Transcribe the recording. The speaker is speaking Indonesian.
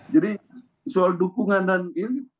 jadi soal dukungan dan ini